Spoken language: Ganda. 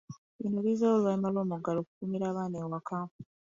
Bino bizzeewo oluvannyuma lw'omuggalo okukuumira abaana awaka.